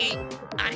あれ？